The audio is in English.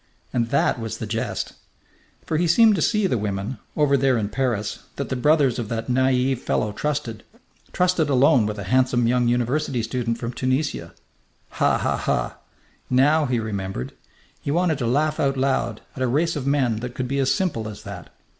And that was the jest. For he seemed to see the women, over there in Paris, that the brothers of that naive fellow trusted trusted alone with a handsome young university student from Tunisia. Ha ha ha! Now he remembered. He wanted to laugh out loud at a race of men that could be as simple as that.